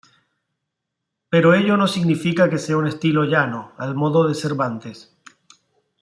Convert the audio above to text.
Pero ello no significa que sea un estilo llano, al modo de Cervantes.